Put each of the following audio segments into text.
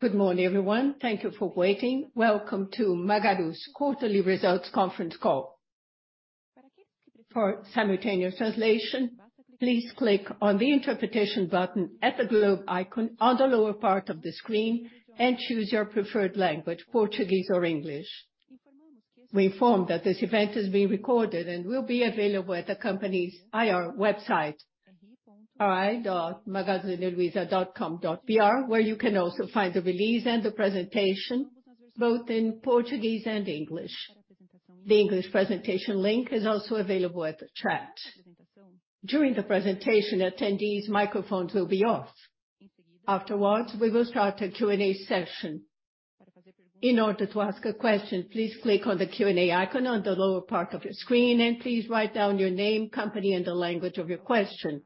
Good morning, everyone. Thank you for waiting. Welcome to Magalu's quarterly results conference call. For simultaneous translation, please click on the interpretation button at the globe icon on the lower part of the screen and choose your preferred language, Portuguese or English. We inform that this event is being recorded and will be available at the company's IR website, ri.magazineluiza.com.br, where you can also find the release and the presentation, both in Portuguese and English. The English presentation link is also available at the chat. During the presentation, attendees' microphones will be off. Afterwards, we will start a Q&A session. In order to ask a question, please click on the Q&A icon on the lower part of your screen, and please write down your name, company, and the language of your question.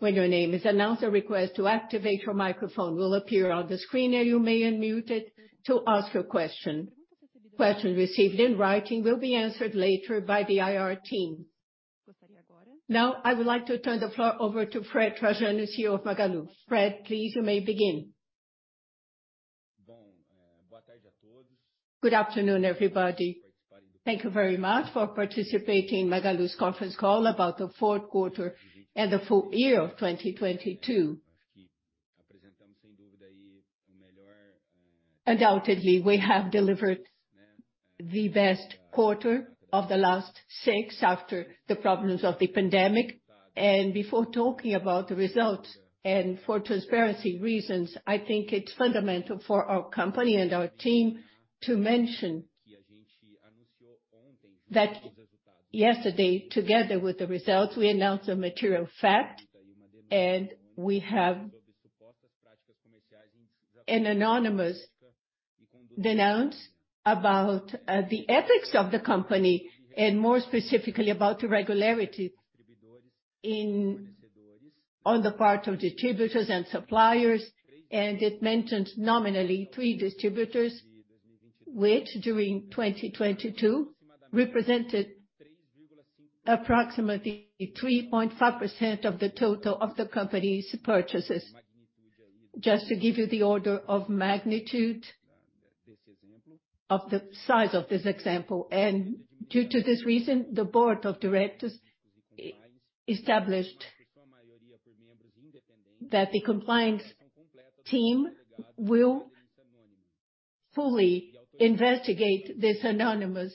When your name is announced, a request to activate your microphone will appear on the screen, and you may unmute it to ask your question. Questions received in writing will be answered later by the IR team. Now, I would like to turn the floor over to Fred Trajano, CEO of Magalu. Fred, please, you may begin. Good afternoon, everybody. Thank you very much for participating in Magalu's conference call about the fourth quarter and the full year of 2022. Undoubtedly, we have delivered the best quarter of the last six after the problems of the pandemic. Before talking about the results, and for transparency reasons, I think it's fundamental for our company and our team to mention that yesterday, together with the results, we announced a material fact, and we have an anonymous denounce about the ethics of the company, and more specifically about irregularity on the part of distributors and suppliers. It mentions nominally three distributors, which during 2022 represented approximately 3.5% of the total of the company's purchases. Just to give you the order of magnitude of the size of this example. Due to this reason, the board of directors established that the compliance team will fully investigate this anonymous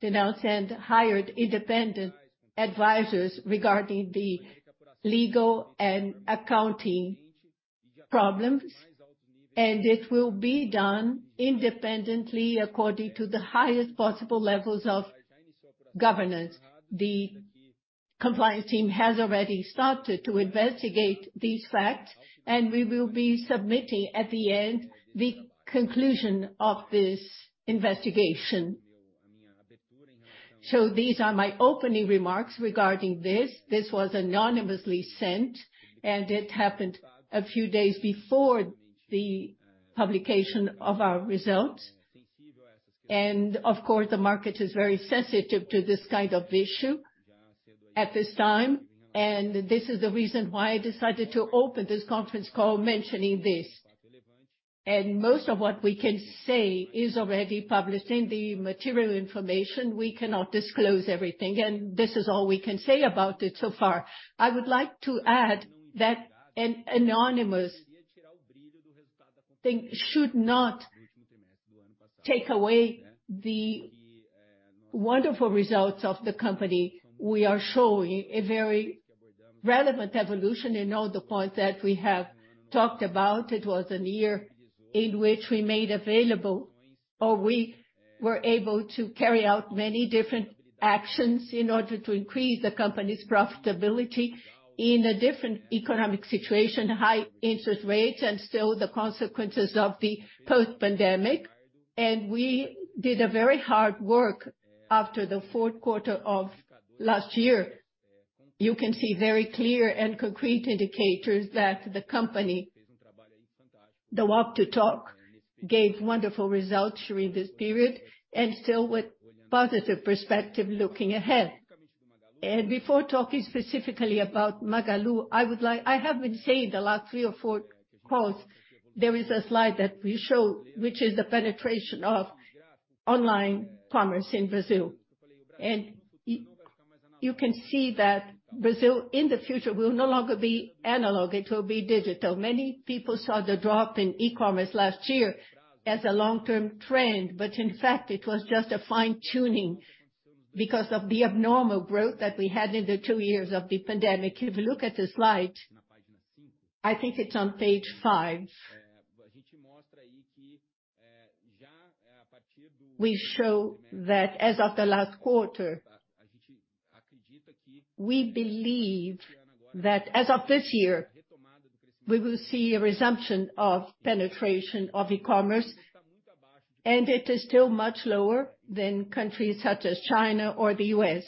denounce and hired independent advisors regarding the legal and accounting problems, and it will be done independently according to the highest possible levels of governance. The compliance team has already started to investigate these facts. We will be submitting at the end the conclusion of this investigation. These are my opening remarks regarding this. This was anonymously sent. It happened a few days before the publication of our results. Of course, the market is very sensitive to this kind of issue at this time. This is the reason why I decided to open this conference call mentioning this. Most of what we can say is already published in the material information. We cannot disclose everything. This is all we can say about it so far. I would like to add that an anonymous thing should not take away the wonderful results of the company. We are showing a very relevant evolution in all the points that we have talked about. It was a year in which we made available, or we were able to carry out many different actions in order to increase the company's profitability in a different economic situation, high interest rates, and still the consequences of the post-pandemic. We did a very hard work after the fourth quarter of last year. You can see very clear and concrete indicators that the company, the walk to talk, gave wonderful results during this period and still with positive perspective looking ahead. Before talking specifically about Magalu, I have been saying the last three or four calls, there is a slide that we show, which is the penetration of online commerce in Brazil. You can see that Brazil in the future will no longer be analog, it will be digital. Many people saw the drop in e-commerce last year as a long-term trend. In fact, it was just a fine-tuning because of the abnormal growth that we had in the 2 years of the pandemic. If you look at the slide, I think it's on page 5. We show that as of the last quarter, we believe that as of this year, we will see a resumption of penetration of e-commerce. It is still much lower than countries such as China or the U.S.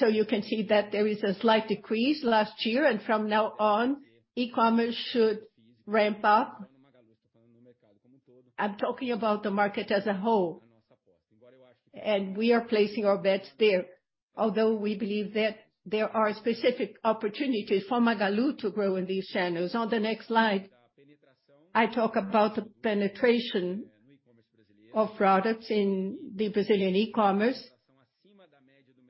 You can see that there is a slight decrease last year. From now on, e-commerce should ramp up. I'm talking about the market as a whole. We are placing our bets there. Although we believe that there are specific opportunities for Magalu to grow in these channels. On the next slide, I talk about the penetration of products in the Brazilian e-commerce.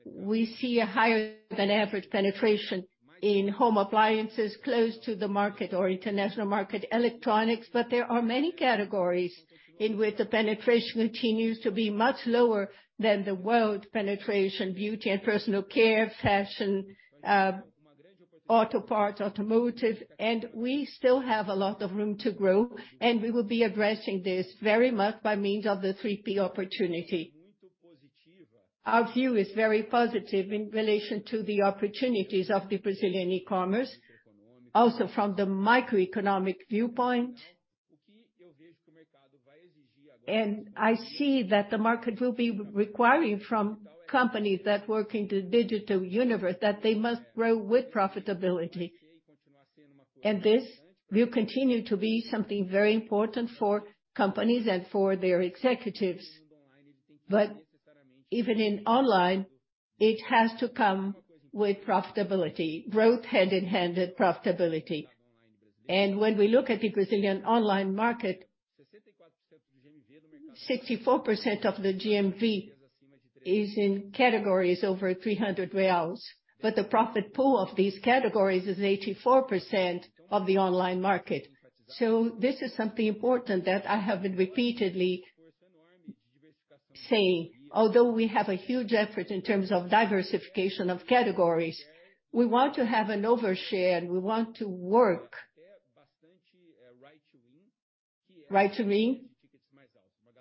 We see a higher-than-average penetration in home appliances close to the market or international market electronics. There are many categories in which the penetration continues to be much lower than the world penetration: beauty and personal care, fashion, auto parts, automotive. We still have a lot of room to grow, and we will be addressing this very much by means of the 3P opportunity. Our view is very positive in relation to the opportunities of the Brazilian e-commerce, also from the microeconomic viewpoint. I see that the market will be requiring from companies that work in the digital universe that they must grow with profitability. This will continue to be something very important for companies and for their executives. Even in online, it has to come with profitability, growth hand-in-hand with profitability. When we look at the Brazilian online market, 64% of the GMV is in categories over 300 reais. The profit pool of these categories is 84% of the online market. This is something important that I have been repeatedly saying. Although we have a huge effort in terms of diversification of categories, we want to have an overshare, we want to work right to win,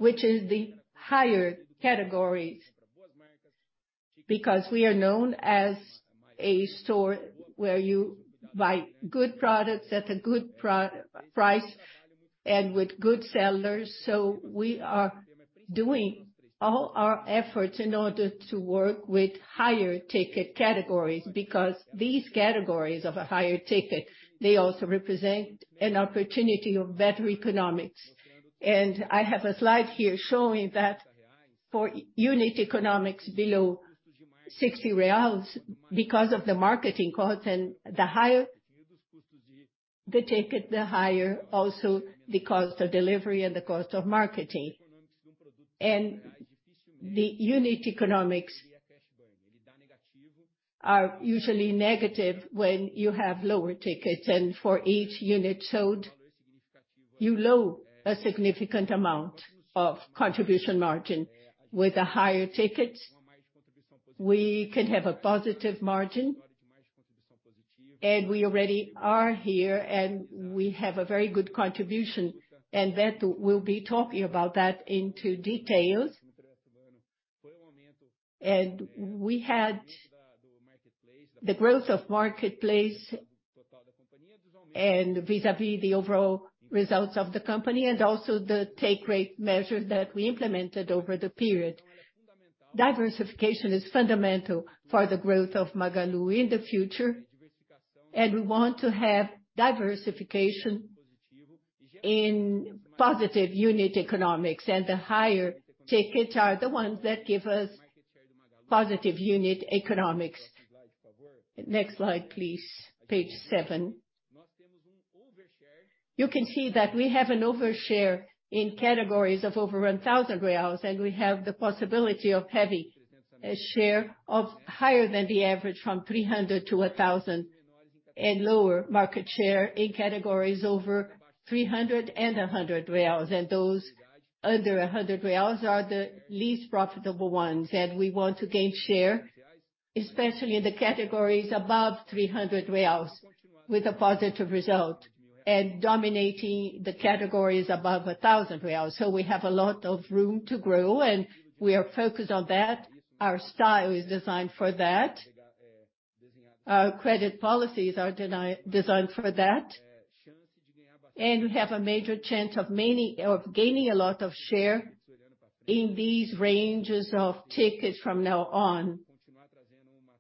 which is the higher categories, because we are known as a store where you buy good products at a good price and with good sellers. We are doing all our efforts in order to work with higher ticket categories, because these categories of a higher ticket, they also represent an opportunity of better economics. I have a slide here showing that for unit economics below 60 reais because of the marketing costs and the higher the ticket, the higher also the cost of delivery and the cost of marketing. The unit economics are usually negative when you have lower tickets. For each unit sold, we low a significant amount of contribution margin. With a higher ticket, we can have a positive margin, and we already are here, and we have a very good contribution. Beto will be talking about that into details. We had the growth of marketplace and vis-à-vis the overall results of the company, and also the take rate measure that we implemented over the period. Diversification is fundamental for the growth of Magalu in the future, and we want to have diversification in positive unit economics. The higher tickets are the ones that give us positive unit economics. Next slide, please. Page 7. You can see that we have an overshare in categories of over 1,000 reais, and we have the possibility of having a share of higher than the average from 300-1,000 and lower market share in categories over 300 and 100 reais. Those under 100 reais are the least profitable ones. We want to gain share, especially in the categories above 300 reais with a positive result and dominating the categories above 1,000 reais. We have a lot of room to grow, and we are focused on that. Our style is designed for that. Our credit policies are designed for that. We have a major chance of gaining a lot of share in these ranges of tickets from now on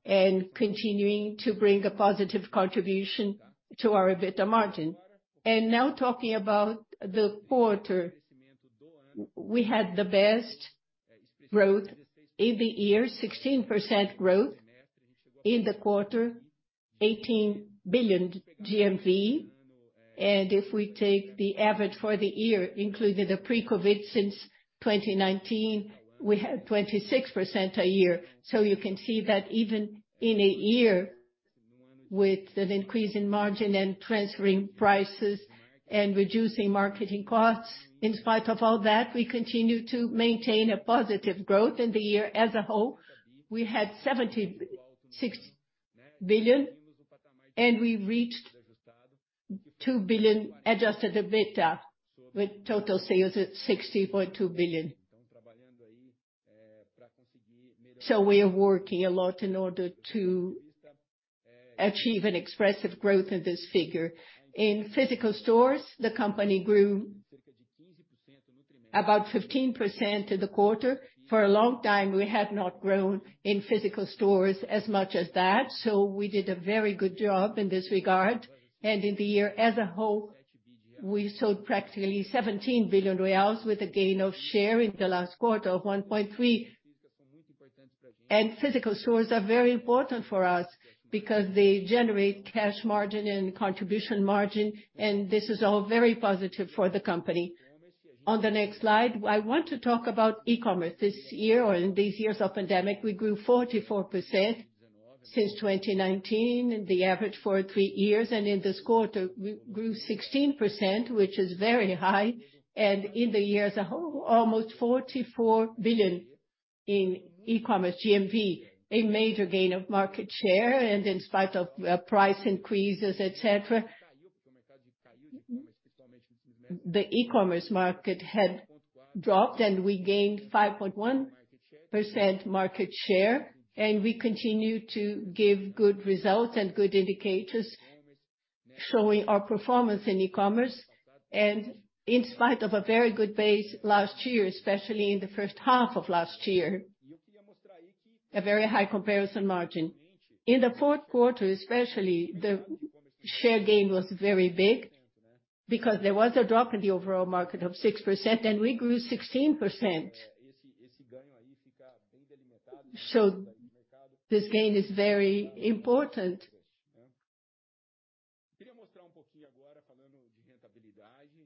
and continuing to bring a positive contribution to our EBITDA margin. Now talking about the quarter, we had the best growth in the year, 16% growth in the quarter, 18 billion GMV. If we take the average for the year, including the pre-COVID since 2019, we had 26% a year. You can see that even in a year with an increase in margin and transferring prices and reducing marketing costs, in spite of all that, we continue to maintain a positive growth in the year as a whole. We had 76 billion, and we reached 2 billion adjusted EBITDA, with total sales at 64.2 billion. We are working a lot in order to achieve an expressive growth in this figure. In physical stores, the company grew circa 15% in the quarter. For a long time, we had not grown in physical stores as much as that, so we did a very good job in this regard. In the year as a whole, we sold practically 17 billion reais with a gain of share in the last quarter of 1.3%. Physical stores are very important for us because they generate cash margin and contribution margin, and this is all very positive for the company. On the next slide, I want to talk about e-commerce. This year or in these years of pandemic, we grew 44% since 2019, the average for 3 years. In this quarter, we grew 16%, which is very high. In the year as a whole, almost 44 billion in e-commerce GMV, a major gain of market share. In spite of price increases, et cetera, the e-commerce market had dropped, and we gained 5.1% market share. We continue to give good results and good indicators showing our performance in e-commerce. In spite of a very good base last year, especially in the first half of last year, a very high comparison margin. In the fourth quarter, especially, the share gain was very big because there was a drop in the overall market of 6%, and we grew 16%. This gain is very important.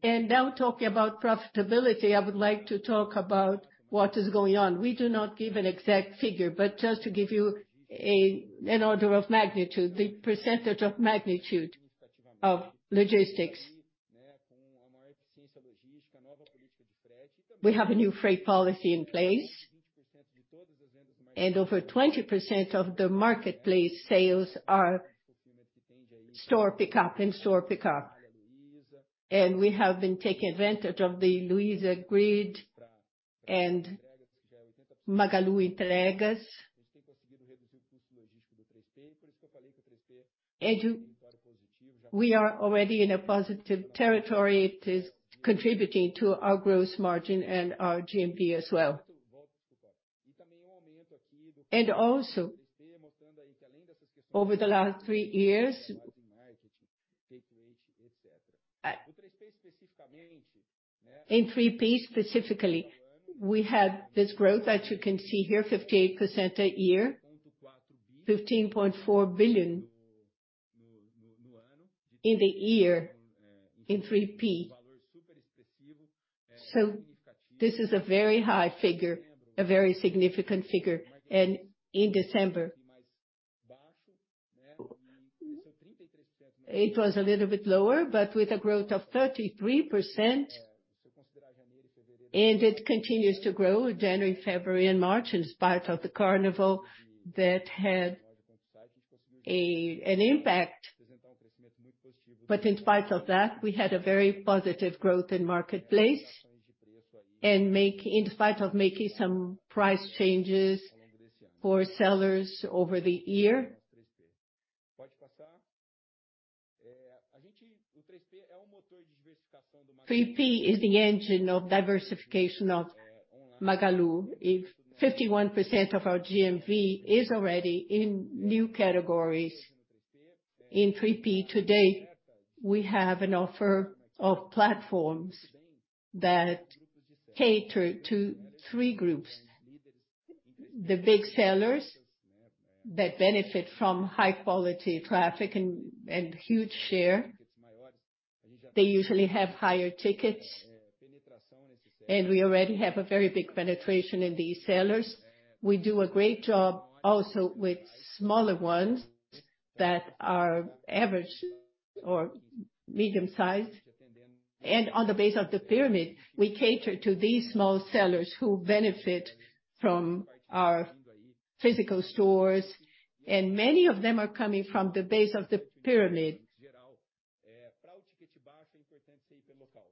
Now talking about profitability, I would like to talk about what is going on. We do not give an exact figure, but just to give you an order of magnitude, the percentage of magnitude of logistics. We have a new freight policy in place. Over 20% of the marketplace sales are store pickup, in-store pickup. We have been taking advantage of the Luiza Grid and Magalu Entregas. We are already in a positive territory. It is contributing to our gross margin and our GMP as well. Also, over the last 3 years, in 3P specifically, we have this growth that you can see here, 58% a year, 15.4 billion in the year in 3P. This is a very high figure, a very significant figure. In December, it was a little bit lower, but with a growth of 33%. It continues to grow January, February, and March, in spite of the Carnival that had an impact. In spite of that, we had a very positive growth in marketplace. In spite of making some price changes for sellers over the year. 3P is the engine of diversification of Magalu. If 51% of our GMV is already in new categories in 3P today, we have an offer of platforms that cater to 3 groups. The big sellers that benefit from high quality traffic and huge share, they usually have higher tickets. We already have a very big penetration in these sellers. We do a great job also with smaller ones that are average or medium-sized. On the base of the pyramid, we cater to these small sellers who benefit from our physical stores, and many of them are coming from the base of the pyramid.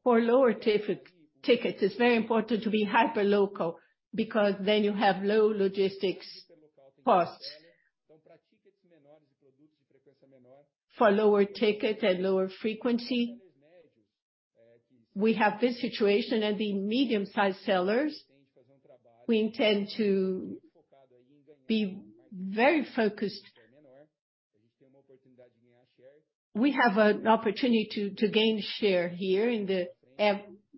For lower tickets, it's very important to be hyperlocal, because then you have low logistics costs. For lower ticket and lower frequency, we have this situation and the medium-sized sellers, we intend to be very focused. We have an opportunity to gain share here in the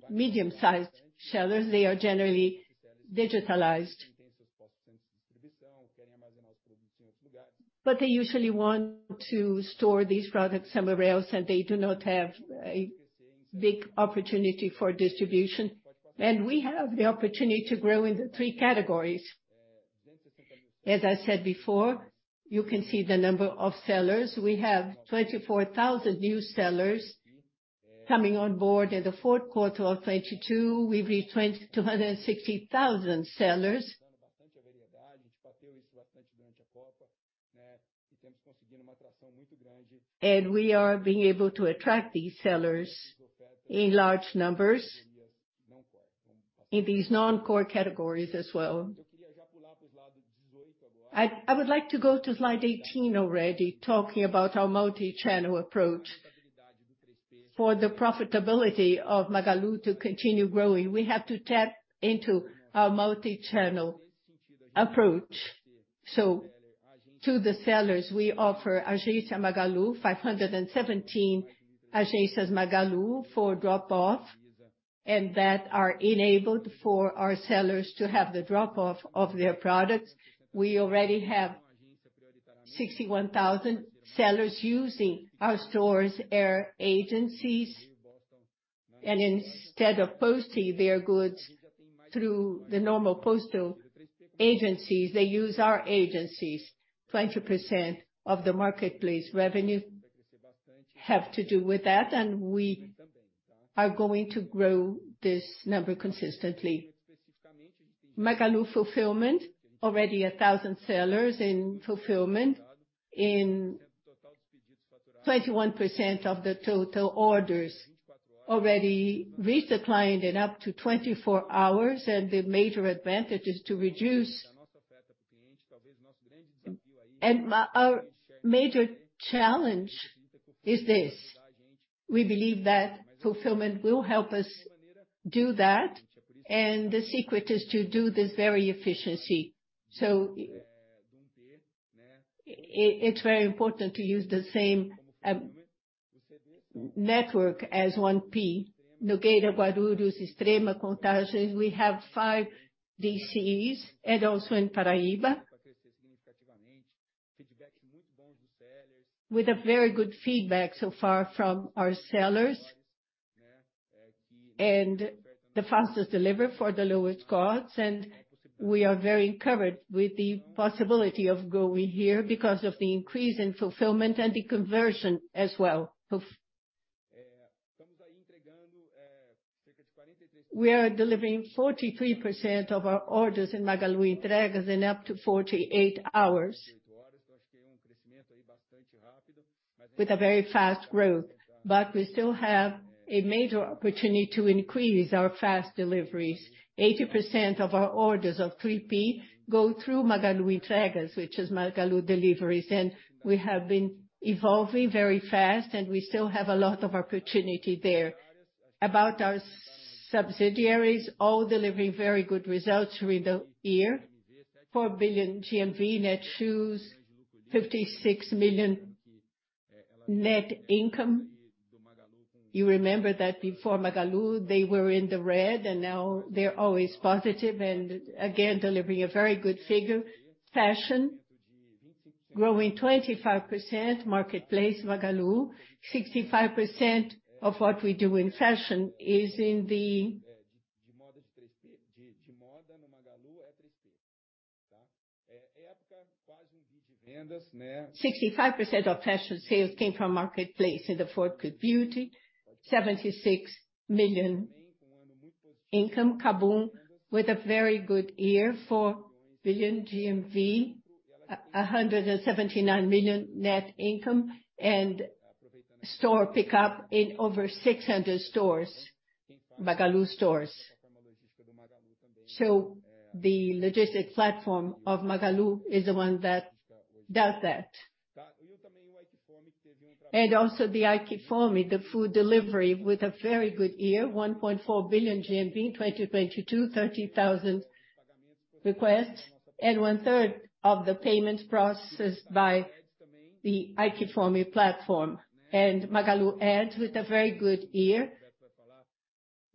medium-sized sellers. They are generally digitalized. They usually want to store these products somewhere else, and they do not have a big opportunity for distribution. We have the opportunity to grow in the three categories. As I said before, you can see the number of sellers. We have 24,000 new sellers coming on board in the fourth quarter of 2022. We reached 2,260,000 sellers. We are being able to attract these sellers in large numbers in these non-core categories as well. I would like to go to slide 18 already, talking about our multi-channel approach. For the profitability of Magalu to continue growing, we have to tap into our multi-channel approach. To the sellers, we offer Agência Magalu, 517 Agências Magalu for drop-off, and that are enabled for our sellers to have the drop-off of their products. We already have 61,000 sellers using our stores' Agências. Instead of posting their goods through the normal postal agencies, they use our agencies. 20% of the marketplace revenue have to do with that, and we are going to grow this number consistently. Magalu Fulfillment, already 1,000 sellers in fulfillment. In 21% of the total orders already reach the client in up to 24 hours. Our major challenge is this. We believe that fulfillment will help us do that, and the secret is to do this very efficiency. It's very important to use the same network as 1P. Nogueira, Guarulhos, Extrema, Contagem, we have 5 DCEs, and also in Paraiba. With a very good feedback so far from our sellers. The fastest delivery for the lowest costs, and we are very encouraged with the possibility of going here because of the increase in fulfillment and the conversion as well. We are delivering 43% of our orders in Magalu Entregas in up to 48 hours. With a very fast growth. We still have a major opportunity to increase our fast deliveries. 80% of our orders of 3P go through Magalu Entregas, which is Magalu Deliveries. we have been evolving very fast, and we still have a lot of opportunity there. About our subsidiaries, all delivering very good results through the year. 4 billion GMV Netshoes, 56 million net income. You remember that before Magalu, they were in the red, and now they're always positive and again, delivering a very good figure. Fashion, growing 25% marketplace Magalu. 65% of what we do in fashion. 65% of fashion sales came from marketplace in the 4Q beauty. 76 million income. KaBuM! with a very good year, 4 billion GMV, 179 million net income and store pickup in over 600 stores, Magalu stores. The logistic platform of Magalu is the one that does that. Also theAiQFome, the food delivery, with a very good year, 1.4 billion GMV in 2022, 30,000 requests, and one-third of the payments processed by the AiQFome platform. Magalu ends with a very good year.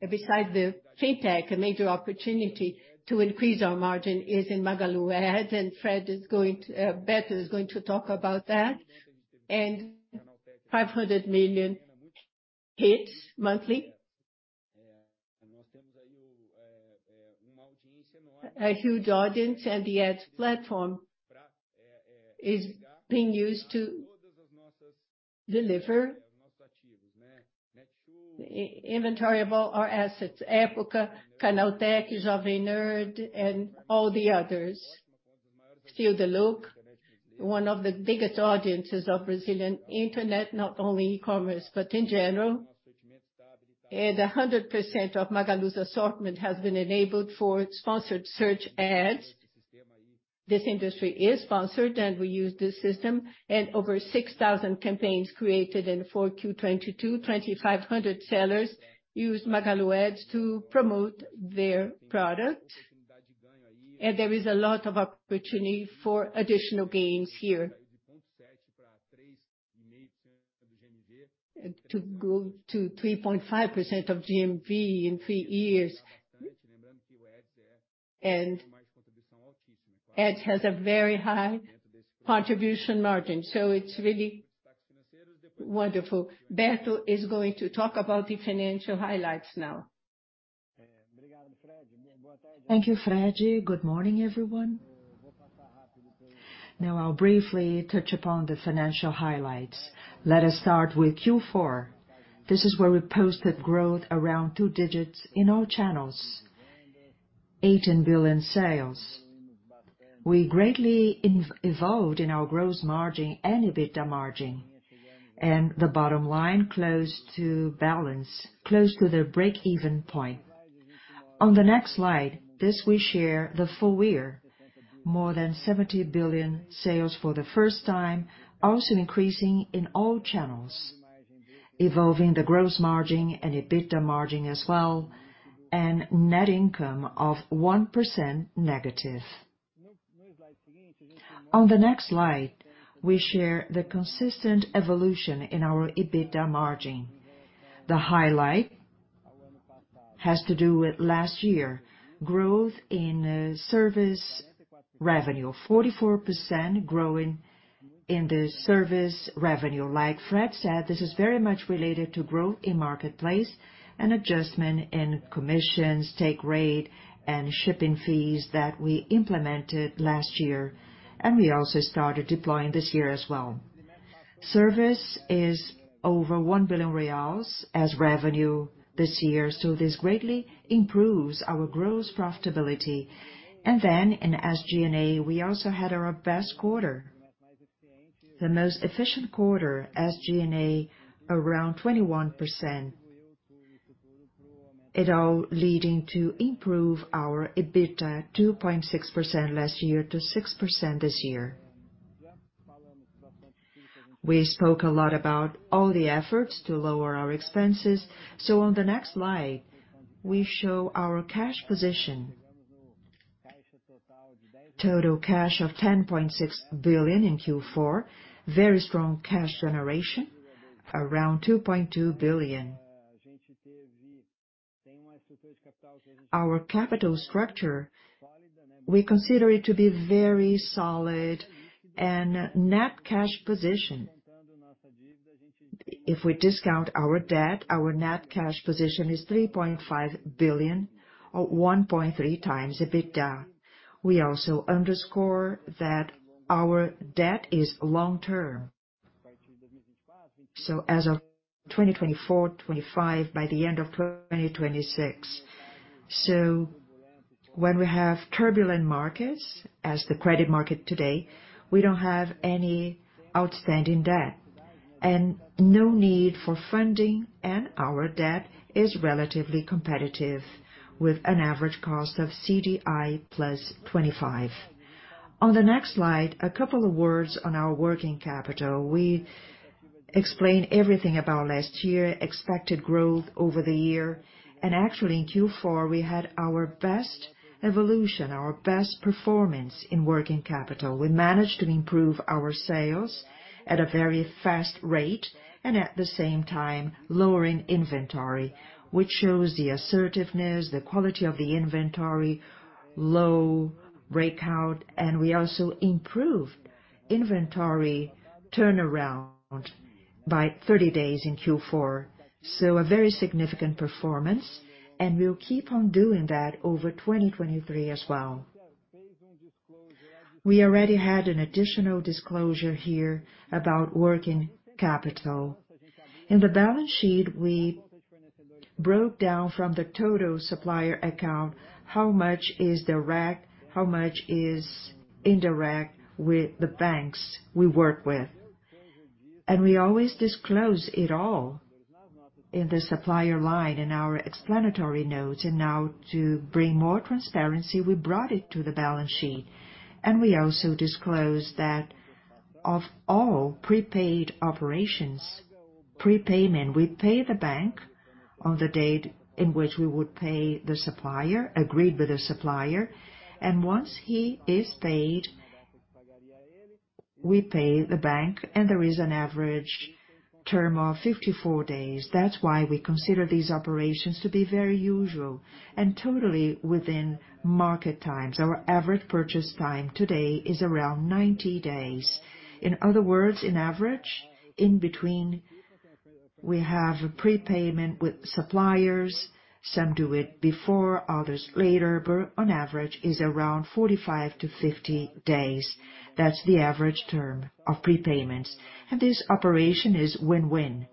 Besides the fintech, a major opportunity to increase our margin is in Magalu Ads, Beto is going to talk about that. 500 million hits monthly. A huge audience, the ads platform is being used to deliver inventory of all our assets. Época, Canaltech, Jovem Nerd, and all the others. Steal the Look, one of the biggest audiences of Brazilian internet, not only e-commerce, but in general. 100% of Magalu's assortment has been enabled for sponsored search ads. This industry is sponsored, we use this system. Over 6,000 campaigns created in 4Q '22. 2,500 sellers used Magalu Ads to promote their products. There is a lot of opportunity for additional gains here. To go to 3.5% of GMV in 3 years. Ads has a very high contribution margin, so it's really wonderful. Beto is going to talk about the financial highlights now. Thank you, Fred. Good morning, everyone. I'll briefly touch upon the financial highlights. Let us start with Q4. We posted growth around 2 digits in all channels. 18 billion sales. We greatly evolved in our gross margin and EBITDA margin, and the bottom line close to balance, close to the break-even point. On the next slide, we share the full year, more than 70 billion sales for the first time, also increasing in all channels, evolving the gross margin and EBITDA margin as well, and net income of 1% negative. On the next slide, we share the consistent evolution in our EBITDA margin. The highlight has to do with last year growth in service revenue, 44% growing in the service revenue. Like Fred said, this is very much related to growth in marketplace and adjustment in commissions, take rate, and shipping fees that we implemented last year, and we also started deploying this year as well. Service is over 1 billion reais as revenue this year. This greatly improves our gross profitability. In SG&A, we also had our best quarter, the most efficient quarter, SG&A around 21%. It all leading to improve our EBITDA 2.6% last year to 6% this year. We spoke a lot about all the efforts to lower our expenses. On the next slide, we show our cash position. Total cash of 10.6 billion in Q4. Very strong cash generation, around 2.2 billion. Our capital structure, we consider it to be very solid and net cash position. If we discount our debt, our net cash position is 3.5 billion or 1.3x EBITDA. We also underscore that our debt is long-term. As of 2024, 2025, by the end of 2026. When we have turbulent markets, as the credit market today, we don't have any outstanding debt and no need for funding, and our debt is relatively competitive with an average cost of CDI + 25. On the next slide, a couple of words on our working capital. We explained everything about last year, expected growth over the year. Actually, in Q4, we had our best evolution, our best performance in working capital. We managed to improve our sales at a very fast rate and at the same time, lowering inventory, which shows the assertiveness, the quality of the inventory, low stockout, and we also improved inventory turnaround by 30 days in Q4. A very significant performance, and we'll keep on doing that over 2023 as well. We already had an additional disclosure here about working capital. In the balance sheet, we broke down from the total supplier account, how much is direct, how much is indirect with the banks we work with. We always disclose it all in the supplier line in our explanatory notes. Now to bring more transparency, we brought it to the balance sheet. We also disclosed that of all prepaid operations, prepayment, we pay the bank on the date in which we would pay the supplier, agreed with the supplier. Once he is paid, we pay the bank, and there is an average term of 54 days. That's why we consider these operations to be very usual and totally within market times. Our average purchase time today is around 90 days. In other words, in average, in between, we have a prepayment with suppliers. Some do it before, others later, but on average, it's around 45 to 50 days. That's the average term of prepayments. This operation is win-win.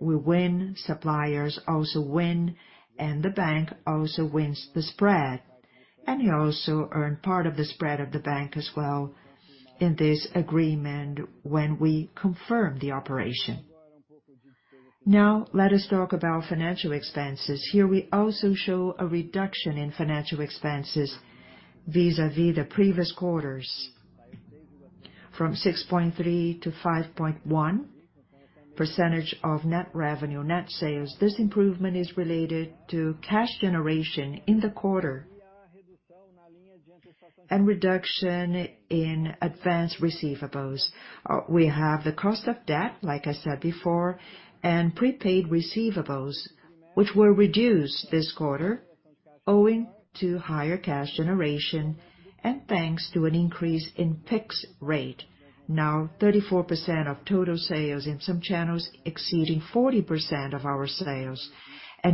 We win, suppliers also win, and the bank also wins the spread. We also earn part of the spread of the bank as well in this agreement when we confirm the operation. Now, let us talk about financial expenses. Here, we also show a reduction in financial expenses vis-à-vis the previous quarters, from 6.3%-5.1% of net revenue, net sales. This improvement is related to cash generation in the quarter and reduction in advanced receivables. We have the cost of debt, like I said before, and prepaid receivables, which were reduced this quarter owing to higher cash generation and thanks to an increase in PIX rate, now 34% of total sales in some channels exceeding 40% of our sales.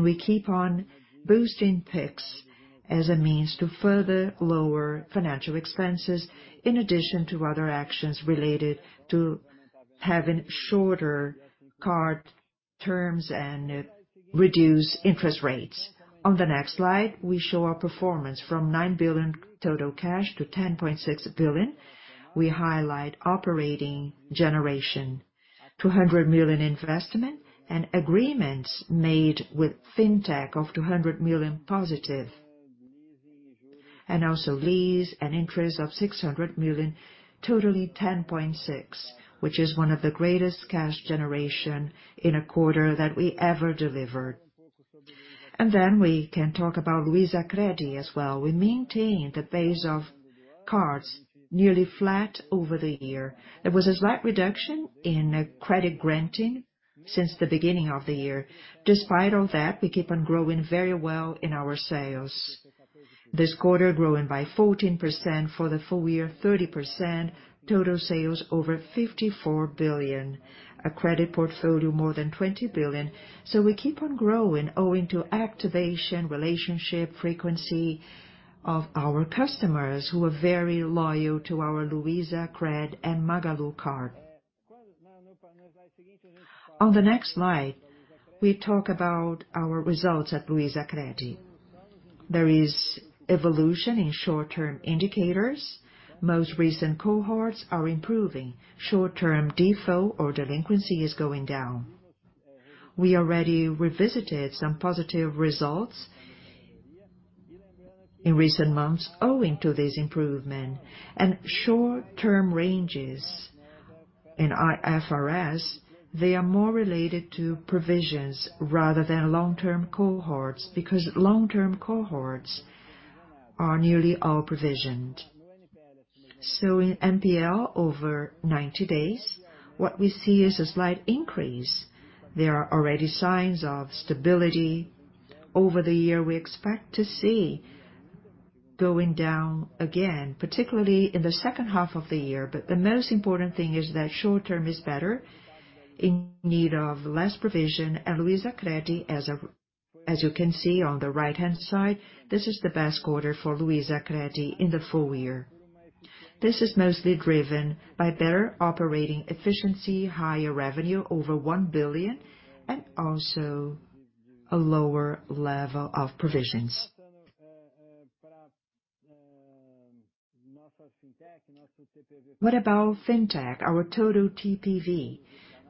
We keep on boosting PIX as a means to further lower financial expenses, in addition to other actions related to having shorter card terms and reduced interest rates. On the next slide, we show our performance from 9 billion total cash to 10.6 billion. We highlight operating generation, 200 million investment and agreements made with fintech of 200 million positive. Also lease and interest of 600 million, totally 10.6 billion, which is one of the greatest cash generation in a quarter that we ever delivered. We can talk about Luizacred as well. We maintained the base of cards nearly flat over the year. There was a slight reduction in credit granting since the beginning of the year. Despite all that, we keep on growing very well in our sales. This quarter growing by 14% for the full year, 30% total sales over 54 billion. A credit portfolio more than 20 billion. We keep on growing owing to activation, relationship, frequency of our customers who are very loyal to our Luizacred and Magalu card. On the next slide, we talk about our results at Luizacred. There is evolution in short-term indicators. Most recent cohorts are improving. Short-term default or delinquency is going down. We already revisited some positive results in recent months owing to this improvement and short-term ranges. In IFRS, they are more related to provisions rather than long-term cohorts, because long-term cohorts are nearly all provisioned. In NPL over 90 days, what we see is a slight increase. There are already signs of stability over the year we expect to see going down again, particularly in the second half of the year. The most important thing is that short-term is better in need of less provision. Luizacred, as you can see on the right-hand side, this is the best quarter for Luizacred in the full year. This is mostly driven by better operating efficiency, higher revenue over 1 billion, and also a lower level of provisions. What about Fintech? Our total TPV.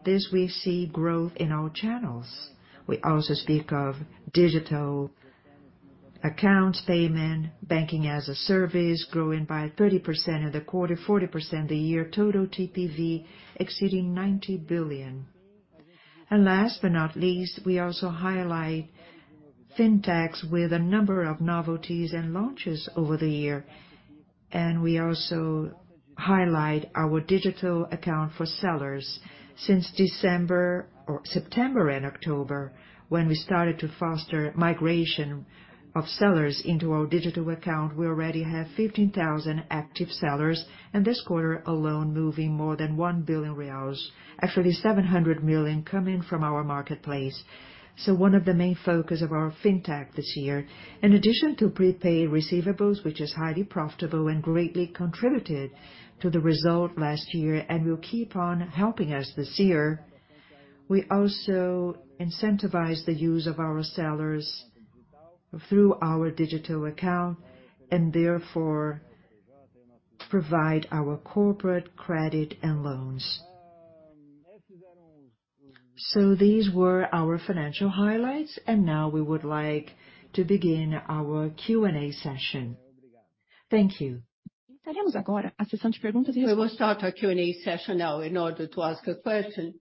This we see growth in our channels. We also speak of digital accounts, payment, banking-as-a-service growing by 30% in the quarter, 40% the year, total TPV exceeding 90 billion. Last but not least, we also highlight fintechs with a number of novelties and launches over the year. We also highlight our digital account for sellers. Since December or September and October, when we started to foster migration of sellers into our digital account, we already have 15,000 active sellers, and this quarter alone moving more than 1 billion reais. Actually 700 million coming from our marketplace. One of the main focus of our fintech this year, in addition to prepaid receivables, which is highly profitable and greatly contributed to the result last year and will keep on helping us this year, we also incentivize the use of our sellers through our digital account and therefore provide our corporate credit and loans. These were our financial highlights, and now we would like to begin our Q&A session. Thank you. We will start our Q&A session now. In order to ask a question,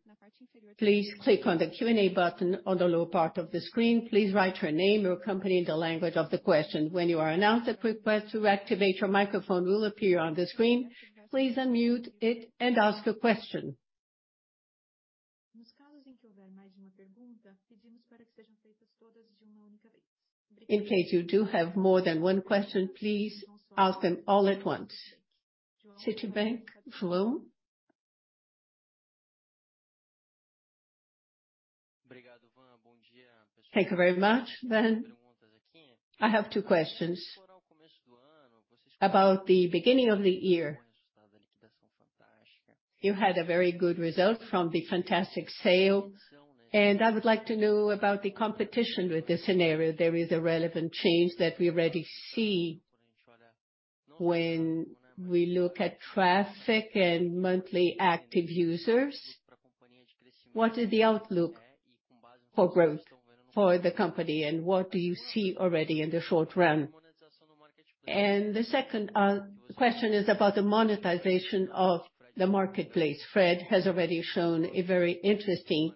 please click on the Q&A button on the lower part of the screen. Please write your name, your company in the language of the question. When you are announced, a request to activate your microphone will appear on the screen. Please unmute it and ask a question. In case you do have more than one question, please ask them all at once. Citibank Flow. Thank you very much, Van. I have two questions. About the beginning of the year, you had a very good result from the fantastic sale. I would like to know about the competition with this scenario. There is a relevant change that we already see when we look at traffic and monthly active users. What is the outlook for growth for the company and what do you see already in the short run? The second question is about the monetization of the marketplace. Fred has already shown a very interesting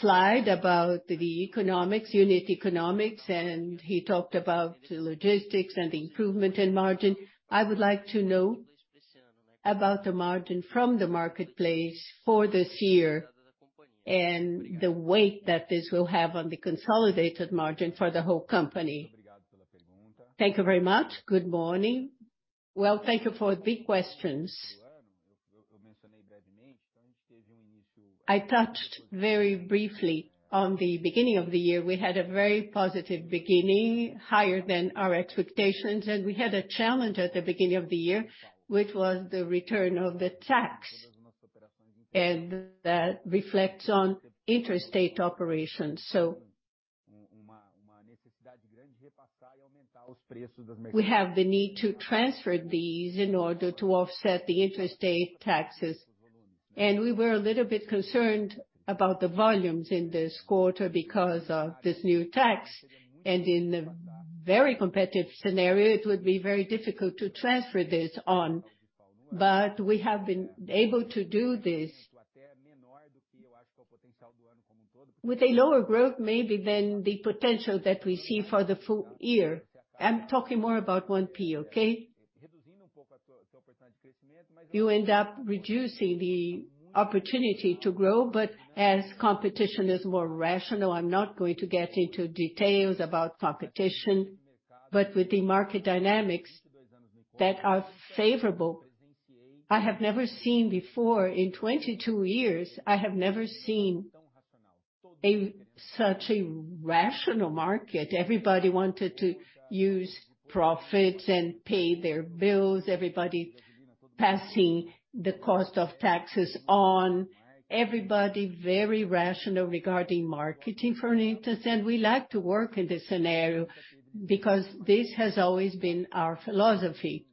slide about the economics, unit economics, and he talked about the logistics and the improvement in margin. I would like to know about the margin from the marketplace for this year and the weight that this will have on the consolidated margin for the whole company. Thank you very much. Good morning. Well, thank you for the questions. I touched very briefly on the beginning of the year. We had a very positive beginning, higher than our expectations. We had a challenge at the beginning of the year, which was the return of the tax. That reflects on interstate operations. We have the need to transfer these in order to offset the interstate taxes. We were a little bit concerned about the volumes in this quarter because of this new tax. In a very competitive scenario, it would be very difficult to transfer this on. We have been able to do this. With a lower growth maybe than the potential that we see for the full year. I'm talking more about 1P, okay? You end up reducing the opportunity to grow, but as competition is more rational, I'm not going to get into details about competition. With the market dynamics that are favorable, I have never seen before in 22 years, I have never seen such a rational market. Everybody wanted to use profits and pay their bills. Everybody passing the cost of taxes on. Everybody very rational regarding marketing for instance. We like to work in this scenario because this has always been our philosophy.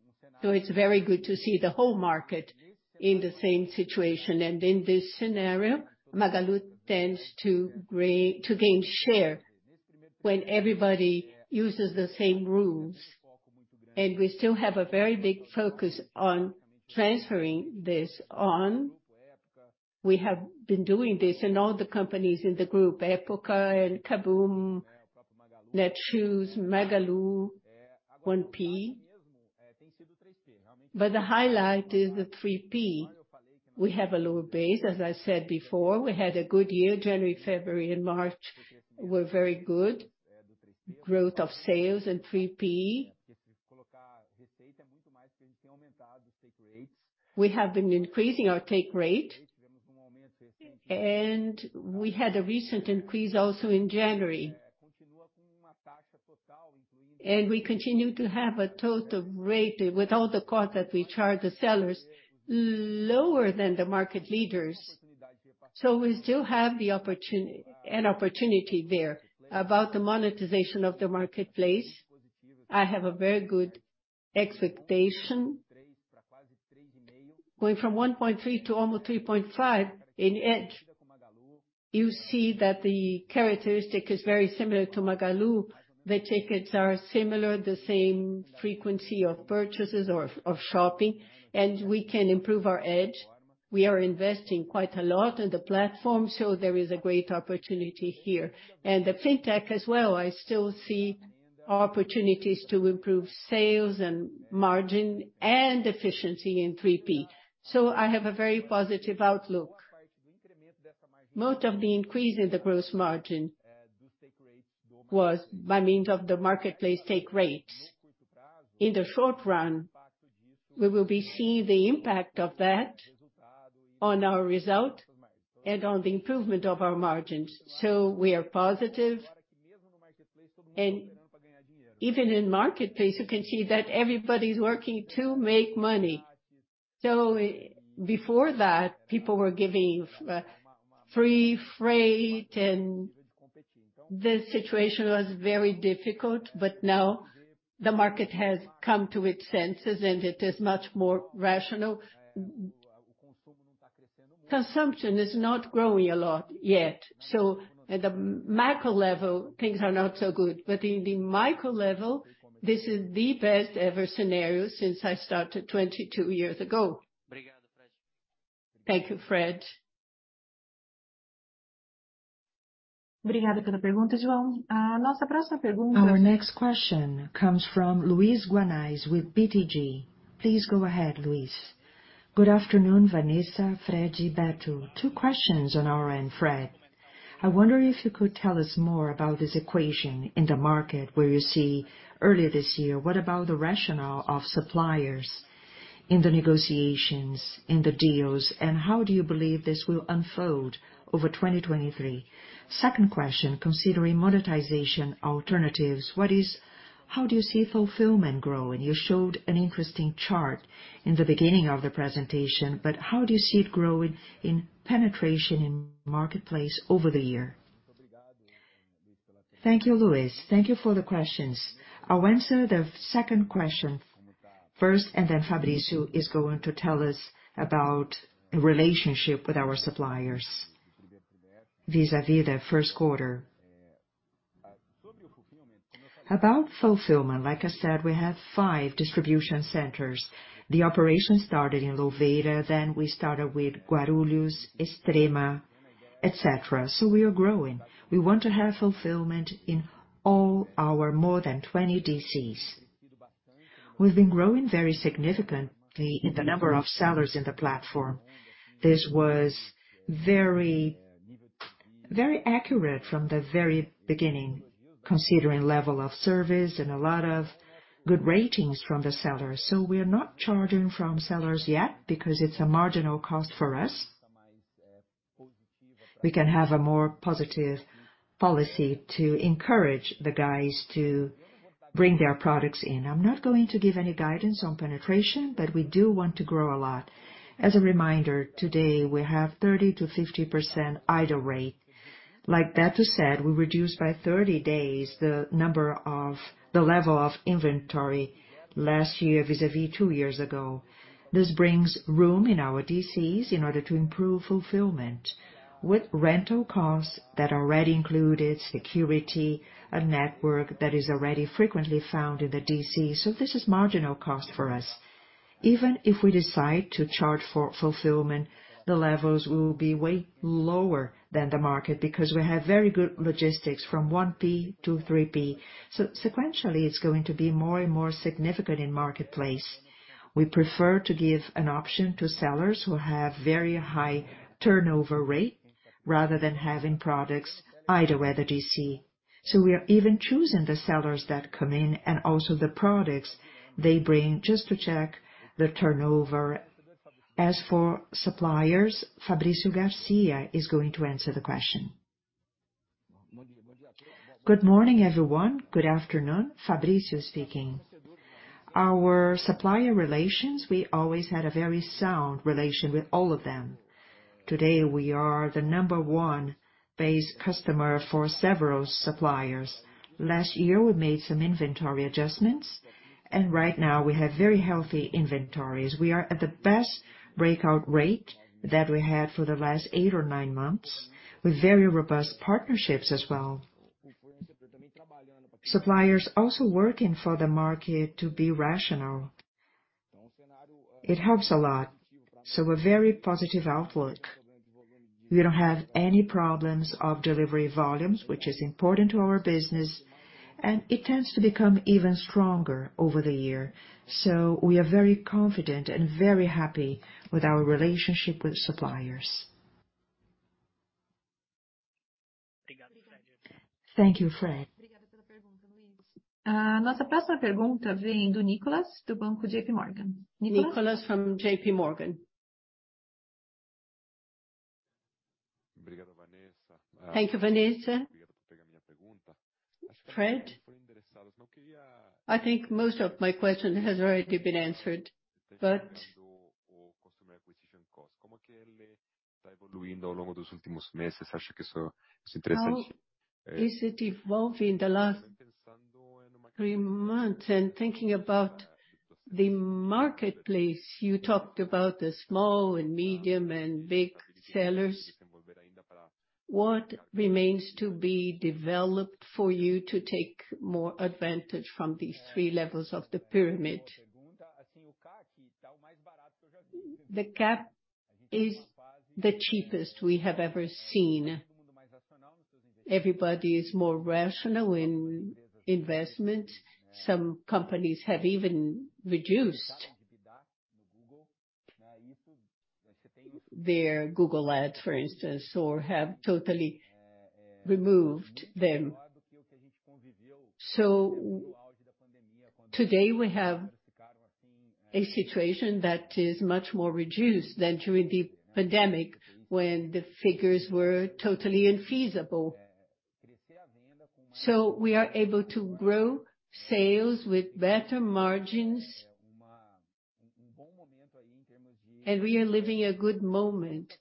It's very good to see the whole market in the same situation. In this scenario, Magalu tends to gain share when everybody uses the same rules. We still have a very big focus on transferring this on. We have been doing this in all the companies in the group, Época and KaBuM!, Netshoes, Magalu, 1P. The highlight is the 3P. We have a lower base. As I said before, we had a good year. January, February, and March were very good. Growth of sales in 3P. We have been increasing our take rate, and we had a recent increase also in January. We continue to have a total rate with all the cost that we charge the sellers lower than the market leaders. We still have an opportunity there. About the monetization of the marketplace, I have a very good expectation. Going from 1.3% to almost 3.5% in edge. You see that the characteristic is very similar to Magalu. The tickets are similar, the same frequency of purchases or of shopping, we can improve our edge. We are investing quite a lot in the platform, there is a great opportunity here. The fintech as well, I still see opportunities to improve sales and margin and efficiency in 3P. I have a very positive outlook. Most of the increase in the gross margin was by means of the marketplace take rates. In the short run, we will be seeing the impact of that on our result and on the improvement of our margins. We are positive. Even in marketplace, you can see that everybody's working to make money. Before that, people were giving free freight, and the situation was very difficult. Now the market has come to its senses, and it is much more rational. Consumption is not growing a lot yet. At the macro level, things are not so good. In the micro level, this is the best ever scenario since I started 22 years ago. Thank you, Fred. Our next question comes from Luis Guanais with BTG. Please go ahead, Luis. Good afternoon, Vanessa, Fred, Beto. 2 questions on our end, Fred. I wonder if you could tell us more about this equation in the market where you see earlier this year. What about the rationale of suppliers in the negotiations, in the deals, and how do you believe this will unfold over 2023? Second question, considering monetization alternatives, how do you see fulfillment growing? You showed an interesting chart in the beginning of the presentation, how do you see it growing in penetration in marketplace over the year? Thank you, Luiz. Thank you for the questions. I'll answer the second question first, and then Fabricio is going to tell us about relationship with our suppliers vis-à-vis the first quarter. About fulfillment, like I said, we have 5 distribution centers. The operation started in Louveira, then we started with Guarulhos, Extrema, et cetera. We are growing. We want to have fulfillment in all our more than 20 DCs. We've been growing very significantly in the number of sellers in the platform. This was very, very accurate from the very beginning, considering level of service and a lot of good ratings from the sellers. We are not charging from sellers yet because it's a marginal cost for us. We can have a more positive policy to encourage the guys to bring their products in. I'm not going to give any guidance on penetration, but we do want to grow a lot. As a reminder, today we have 30%-50% idle rate. Beto said, we reduced by 30 days the level of inventory last year vis-à-vis 2 years ago. This brings room in our DCs in order to improve fulfillment with rental costs that already included security and network that is already frequently found in the DC. This is marginal cost for us. Even if we decide to charge for fulfillment, the levels will be way lower than the market because we have very good logistics from 1P to 3P. Sequentially, it's going to be more and more significant in Marketplace. We prefer to give an option to sellers who have very high turnover rate rather than having products idle at the DC. We are even choosing the sellers that come in and also the products they bring just to check the turnover. As for suppliers, Fabricio Garcia is going to answer the question. Good morning, everyone. Good afternoon. Fabricio speaking. Our supplier relations, we always had a very sound relation with all of them. Today, we are the number one base customer for several suppliers. Last year, we made some inventory adjustments. Right now we have very healthy inventories. We are at the best breakout rate that we had for the last eight or nine months, with very robust partnerships as well. Suppliers also working for the market to be rational. It helps a lot. A very positive outlook. We don't have any problems of delivery volumes, which is important to our business. It tends to become even stronger over the year. We are very confident and very happy with our relationship with suppliers. Thank you, Fred. Nicolás from JPMorgan. Thank you, Vanessa. Fred, I think most of my question has already been answered, but how is it evolving the last three months? Thinking about the marketplace, you talked about the small and medium and big sellers. What remains to be developed for you to take more advantage from these three levels of the pyramid? The CAC is the cheapest we have ever seen. Everybody is more rational in investment. Some companies have even reduced their Google Ads, for instance, or have totally removed them. Today, we have a situation that is much more reduced than during the pandemic when the figures were totally infeasible. We are able to grow sales with better margins, and we are living a good moment.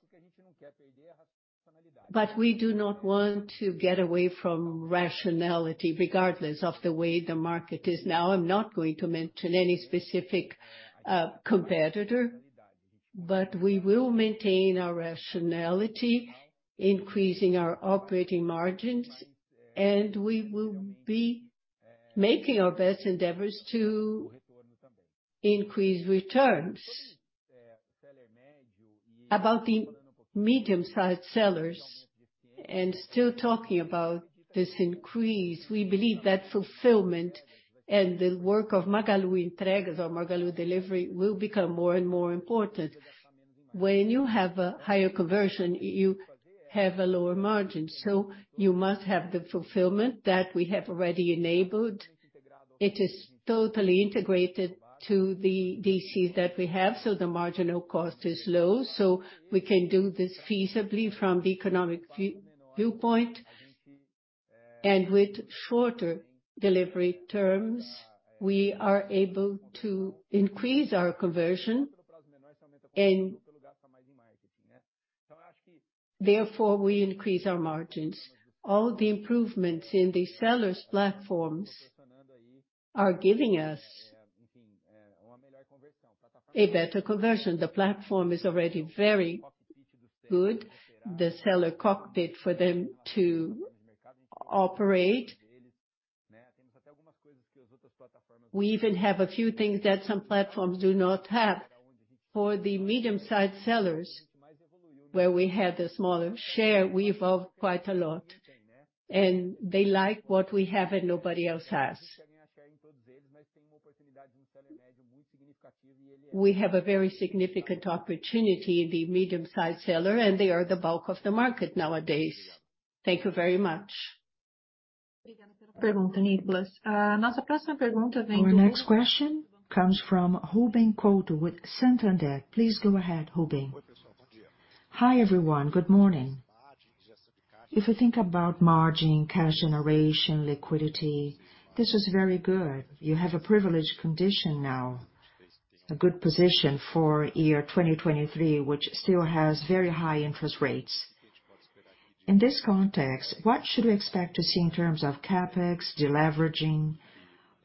We do not want to get away from rationality regardless of the way the market is now. I'm not going to mention any specific competitor. We will maintain our rationality, increasing our operating margins. We will be making our best endeavors to increase returns. About the medium-sized sellers, still talking about this increase, we believe that fulfillment and the work of Magalu Entregas, our Magalu delivery, will become more and more important. When you have a higher conversion, you have a lower margin. You must have the fulfillment that we have already enabled. It is totally integrated to the DCs that we have. The marginal cost is low. We can do this feasibly from the economic viewpoint. With shorter delivery terms, we are able to increase our conversion and therefore we increase our margins. All the improvements in the sellers platforms are giving us a better conversion. The platform is already very good. The seller cockpit for them to operate. We even have a few things that some platforms do not have. For the medium-sized sellers, where we have the smaller share, we evolved quite a lot, and they like what we have and nobody else has. We have a very significant opportunity in the medium-sized seller, and they are the bulk of the market nowadays. Thank you very much. Our next question comes from Ruben Couto with Santander. Please go ahead, Ruben. Hi, everyone. Good morning. If you think about margin, cash generation, liquidity, this is very good. You have a privileged condition now. A good position for year 2023, which still has very high interest rates. In this context, what should we expect to see in terms of CapEx, deleveraging?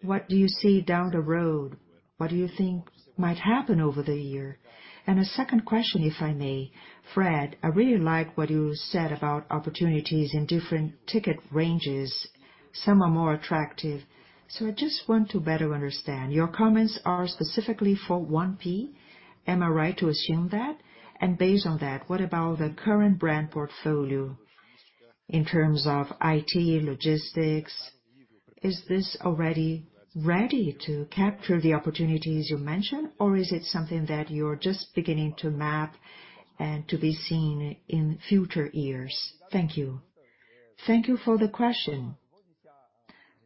What do you see down the road? What do you think might happen over the year? A second question, if I may. Fred, I really like what you said about opportunities in different ticket ranges. Some are more attractive. I just want to better understand. Your comments are specifically for 1P. Am I right to assume that? Based on that, what about the current brand portfolio in terms of IT, logistics? Is this already ready to capture the opportunities you mentioned, or is it something that you're just beginning to map and to be seen in future years? Thank you. Thank you for the question.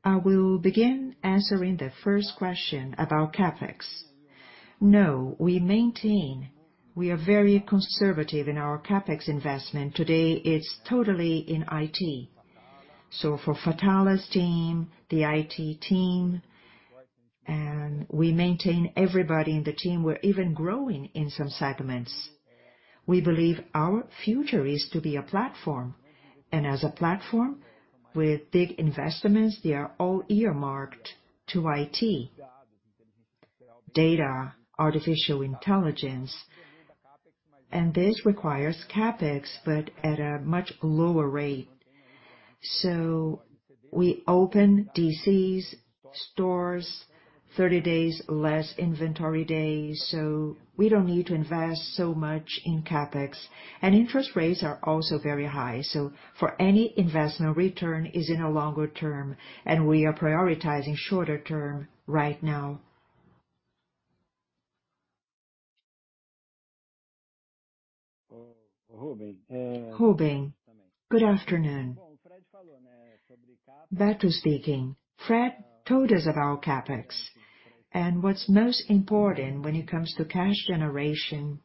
I will begin answering the first question about CapEx. We maintain. We are very conservative in our CapEx investment. Today, it's totally in IT. For Fatala's team, the IT team, and we maintain everybody in the team. We're even growing in some segments. We believe our future is to be a platform. As a platform with big investments, they are all earmarked to IT. Data, artificial intelligence, and this requires CapEx, but at a much lower rate. We open DCs, stores, 30 days less inventory days, so we don't need to invest so much in CapEx. Interest rates are also very high. For any investment, return is in a longer term, and we are prioritizing shorter term right now. Ruben, good afternoon. Beto speaking. Fred told us about CapEx and what's most important when it comes to cash generation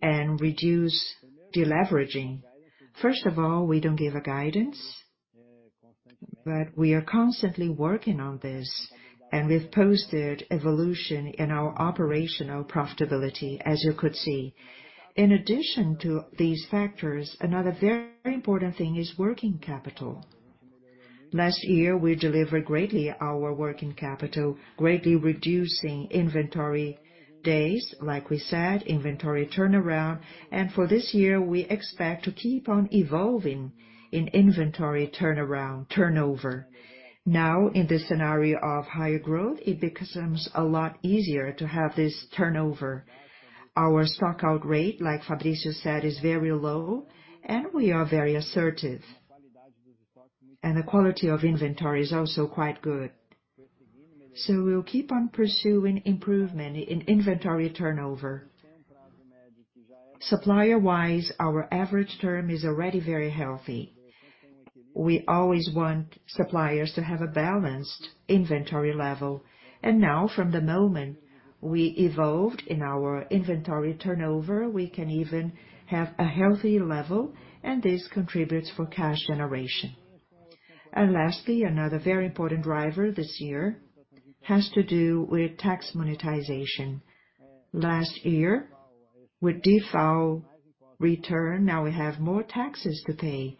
and reduce deleveraging. First of all, we don't give a guidance, but we are constantly working on this, and we've posted evolution in our operational profitability, as you could see. In addition to these factors, another very important thing is working capital. Last year, we delivered greatly our working capital, greatly reducing inventory days, like we said, inventory turnaround. For this year, we expect to keep on evolving in inventory turnover. Now, in this scenario of higher growth, it becomes a lot easier to have this turnover. Our stockout rate, like Fabricio said, is very low and we are very assertive. The quality of inventory is also quite good. We'll keep on pursuing improvement in inventory turnover. Supplier-wise, our average term is already very healthy. We always want suppliers to have a balanced inventory level. Now, from the moment we evolved in our inventory turnover, we can even have a healthy level, and this contributes for cash generation. Lastly, another very important driver this year has to do with tax monetization. Last year, with DIFAL return, now we have more taxes to pay,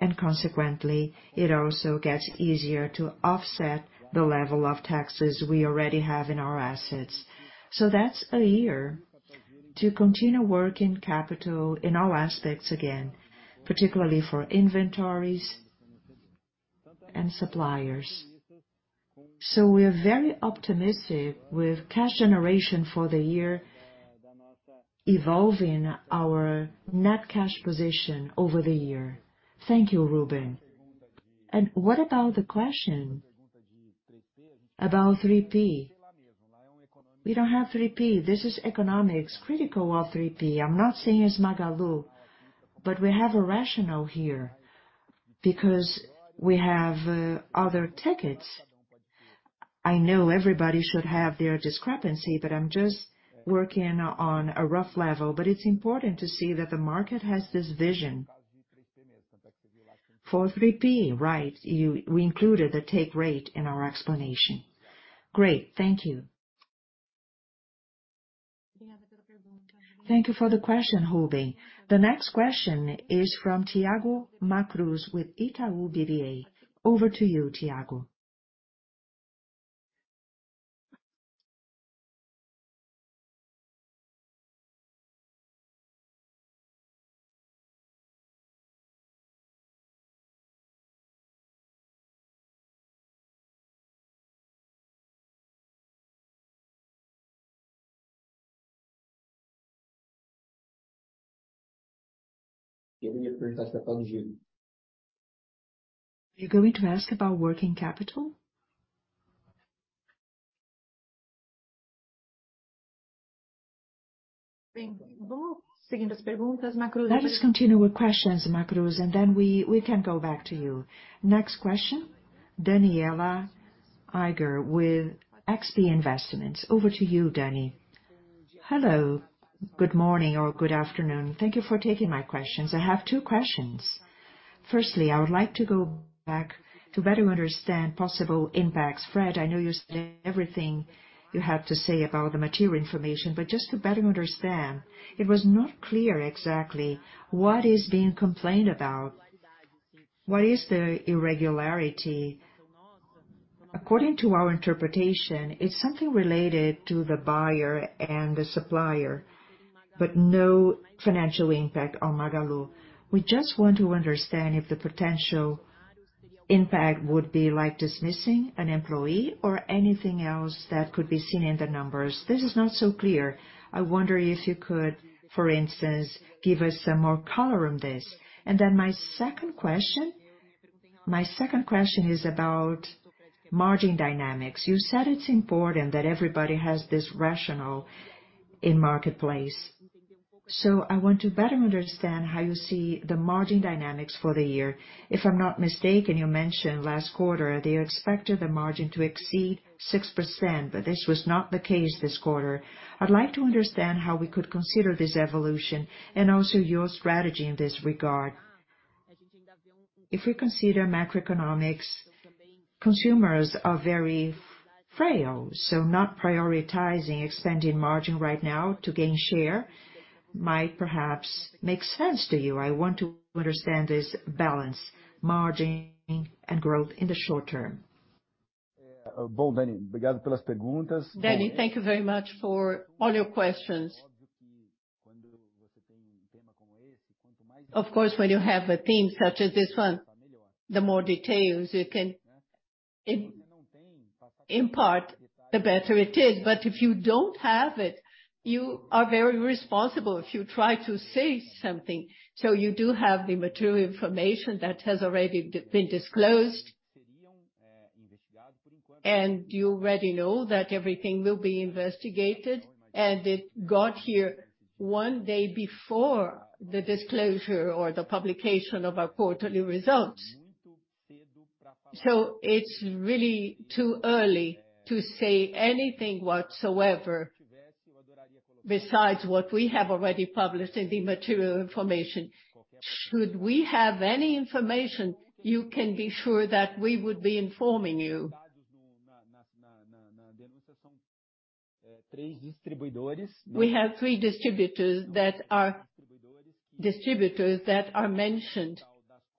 and consequently, it also gets easier to offset the level of taxes we already have in our assets. That's a year to continue working capital in all aspects again, particularly for inventories and suppliers. We are very optimistic with cash generation for the year evolving our net cash position over the year. Thank you, Ruben. What about the question about 3P? We don't have 3P. This is economics, critical of 3P. I'm not saying it's Magalu, but we have a rationale here because we have other tickets. I know everybody should have their discrepancy, but I'm just working on a rough level. It's important to see that the market has this vision for 3P, right? We included the take rate in our explanation. Great. Thank you. Thank you for the question, Ruben. The next question is from Thiago Macruz with Itaú BBA. Over to you, Thiago. Give me a printout about you. You're going to ask about working capital? Let us continue with questions, Macruz, and then we can go back to you. Next question, Danniela Eiger with XP Investments. Over to you, Danny. Hello. Good morning or good afternoon. Thank you for taking my questions. I have two questions. Firstly, I would like to go back to better understand possible impacts. Fred, I know you said everything you have to say about the material information. Just to better understand, it was not clear exactly what is being complained about. What is the irregularity? According to our interpretation, it's something related to the buyer and the supplier. No financial impact on Magalu. We just want to understand if the potential impact would be like dismissing an employee or anything else that could be seen in the numbers. This is not so clear. I wonder if you could, for instance, give us some more color on this. Then my second question is about margin dynamics. You said it's important that everybody has this rational in marketplace. I want to better understand how you see the margin dynamics for the year. If I'm not mistaken, you mentioned last quarter that you expected the margin to exceed 6%, but this was not the case this quarter. I'd like to understand how we could consider this evolution and also your strategy in this regard. If we consider macroeconomics, consumers are very frail, so not prioritizing expanding margin right now to gain share might perhaps make sense to you. I want to understand this balance, margin and growth in the short term. Danny, thank you very much for all your questions. Of course, when you have a theme such as this one, the more details you can impart, the better it is. If you don't have it, you are very responsible if you try to say something. You do have the material information that has already been disclosed. You already know that everything will be investigated, it got here one day before the disclosure or the publication of our quarterly results. It's really too early to say anything whatsoever besides what we have already published in the material information. Should we have any information, you can be sure that we would be informing you. We have three distributors that are mentioned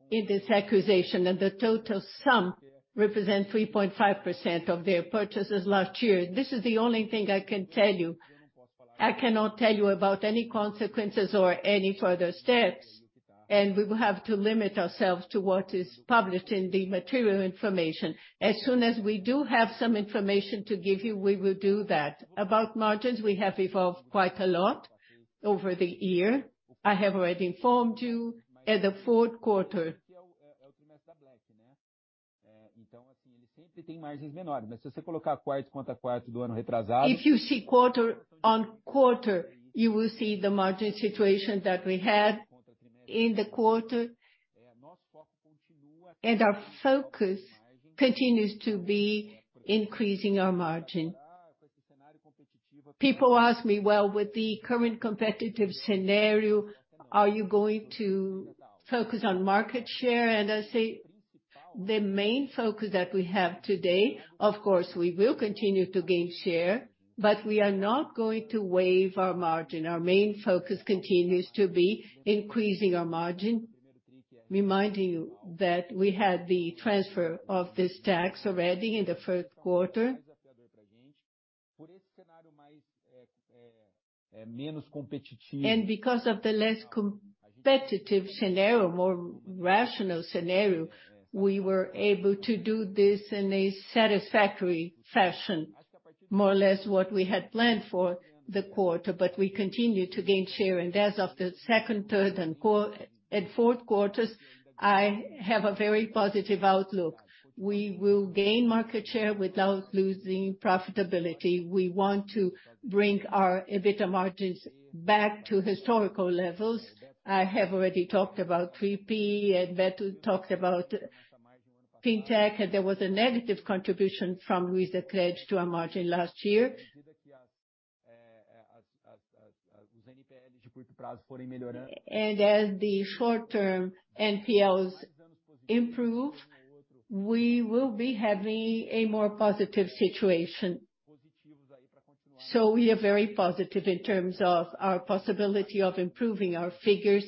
in this accusation, the total sum represents 3.5% of their purchases last year. This is the only thing I can tell you. I cannot tell you about any consequences or any further steps. We will have to limit ourselves to what is published in the material information. As soon as we do have some information to give you, we will do that. About margins, we have evolved quite a lot over the year. I have already informed you at the fourth quarter. If you see quarter on quarter, you will see the margin situation that we had in the quarter. Our focus continues to be increasing our margin. People ask me, "Well, with the current competitive scenario, are you going to focus on market share?" I say, "The main focus that we have today, of course, we will continue to gain share, but we are not going to waive our margin." Our main focus continues to be increasing our margin, reminding you that we had the transfer of this tax already in the first quarter. Because of the less competitive scenario, more rational scenario, we were able to do this in a satisfactory fashion, more or less what we had planned for the quarter, but we continued to gain share. As of the second, third, and fourth quarters, I have a very positive outlook. We will gain market share without losing profitability. We want to bring our EBITDA margins back to historical levels. I have already talked about 3P. Beto talked about fintech, and there was a negative contribution from Luizacred to our margin last year. As the short-term NPLs improve, we will be having a more positive situation. We are very positive in terms of our possibility of improving our figures,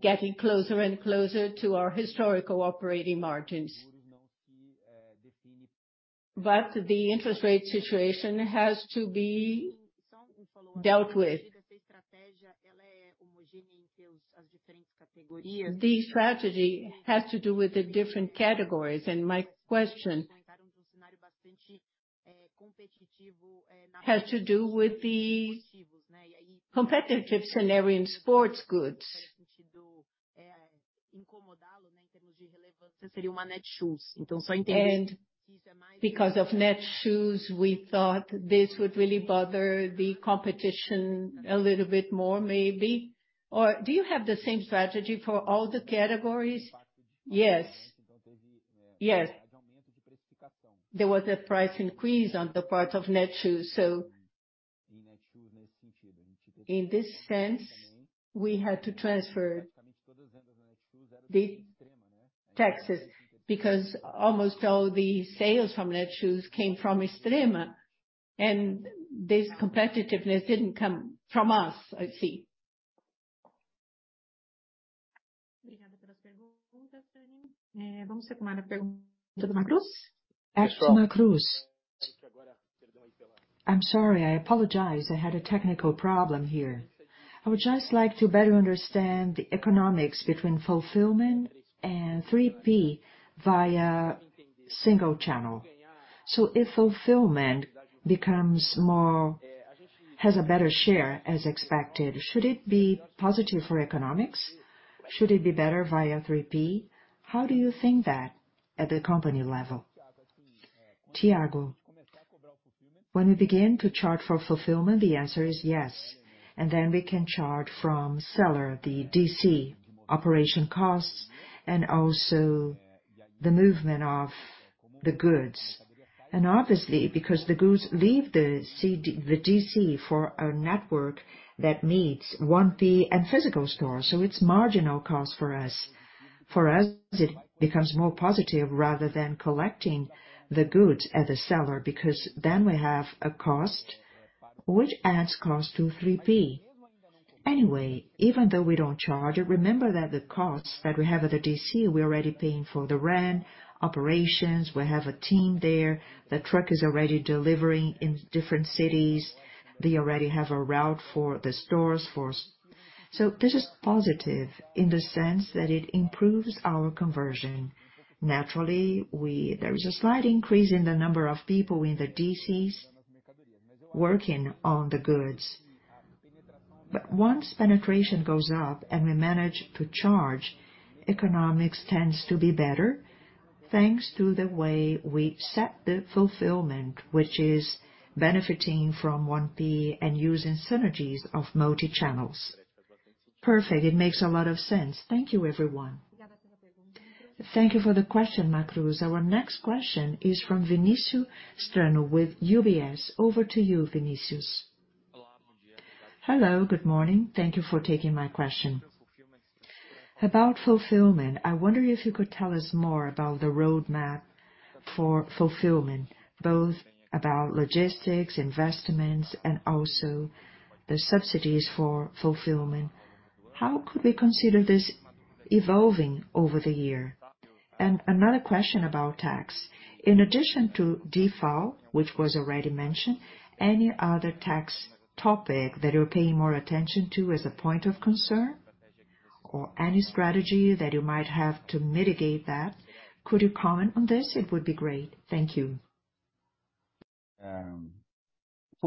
getting closer and closer to our historical operating margins. The interest rate situation has to be dealt with. The strategy has to do with the different categories, and my question has to do with the competitive scenario in sports goods. Because of Netshoes, we thought this would really bother the competition a little bit more maybe. Do you have the same strategy for all the categories? Yes. There was a price increase on the part of Netshoes. In this sense, we had to transfer the taxes because almost all the sales from Netshoes came from Extrema, and this competitiveness didn't come from us. I see. Back to Macruz. I'm sorry, I apologize, I had a technical problem here. I would just like to better understand the economics between fulfillment and 3P via single channel. If fulfillment becomes Has a better share as expected, should it be positive for economics? Should it be better via 3P? How do you think that at the company level? Thiago. When we begin to charge for fulfillment, the answer is yes. We can charge from seller, the DC operation costs and also the movement of the goods. Because the goods leave the DC for a network that meets 1P and physical store. It's marginal cost for us. For us, it becomes more positive rather than collecting the goods at the seller because then we have a cost which adds cost to 3P. Even though we don't charge it, remember that the costs that we have at the DC, we're already paying for the rent, operations. We have a team there. The truck is already delivering in different cities. They already have a route for the stores. This is positive in the sense that it improves our conversion. Naturally, there is a slight increase in the number of people in the DCs working on the goods. Once penetration goes up and we manage to charge, economics tends to be better, thanks to the way we set the fulfillment, which is benefiting from 1P and using synergies of multi-channels. Perfect. It makes a lot of sense. Thank you everyone. Thank you for the question, Marcos. Our next question is from Vinicius Strano with UBS. Over to you, Vinicius. Hello, good morning. Thank you for taking my question. About fulfillment, I wonder if you could tell us more about the roadmap for fulfillment, both about logistics, investments, and also the subsidies for fulfillment. How could we consider this evolving over the year? Another question about tax. In addition to DIFAL, which was already mentioned, any other tax topic that you're paying more attention to as a point of concern or any strategy that you might have to mitigate that? Could you comment on this? It would be great. Thank you. As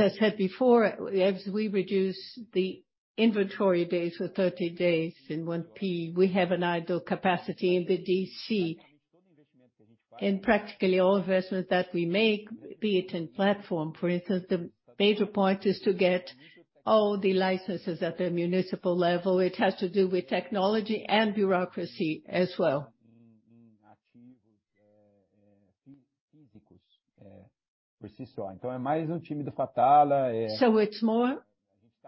I said before, as we reduce the inventory days for 30 days in 1P, we have an idle capacity in the DC. In practically all investments that we make, be it in platform, for instance, the major point is to get all the licenses at the municipal level. It has to do with technology and bureaucracy as well.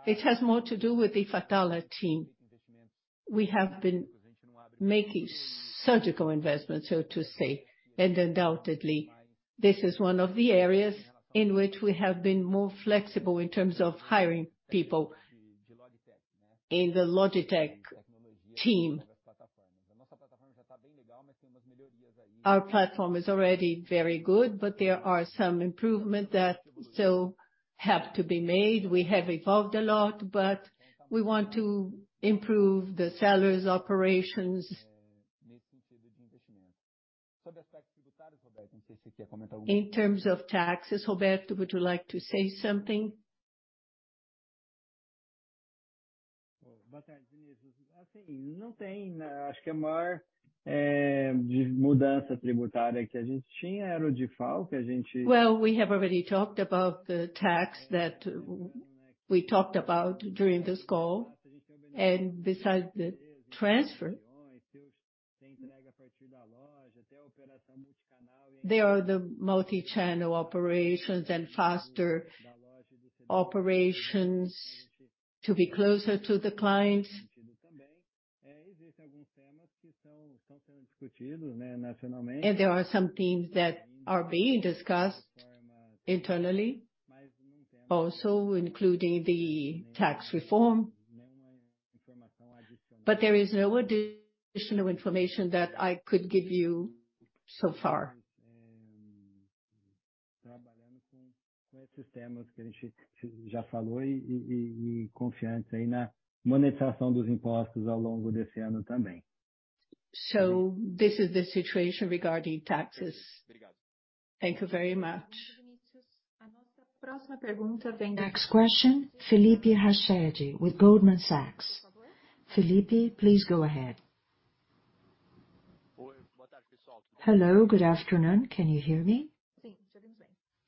It has more to do with the Fatala team. We have been making surgical investments, so to say. Undoubtedly, this is one of the areas in which we have been more flexible in terms of hiring people in the Logitech team. Our platform is already very good, but there are some improvement that still have to be made. We have evolved a lot, but we want to improve the sellers operations. In terms of taxes, Roberto, would you like to say something? Well, we have already talked about the tax that we talked about during this call. Besides the transfer, there are the multi-channel operations and faster operations to be closer to the client. There are some themes that are being discussed internally, also including the tax reform. There is no additional information that I could give you so far. This is the situation regarding taxes. Thank you very much. Next question, Felipe Rached with Goldman Sachs. Felipe, please go ahead. Hello, good afternoon. Can you hear me?